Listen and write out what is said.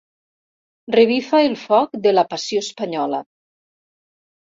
Revifa el foc de la passió espanyola.